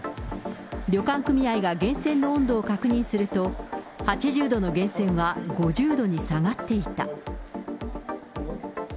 旅館組合が源泉の温度を確認すると、８０度の源泉は５０度に下がっていた。